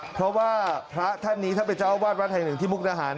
เพราะว่าพระท่านนี้ท่านเป็นเจ้าวาดวัดแห่งหนึ่งที่มุกดาหาร